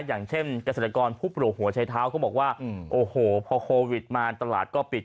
อย่างเช่นเกษตรกรผู้ปลูกหัวใช้เท้าเขาบอกว่าโอ้โหพอโควิดมาตลาดก็ปิด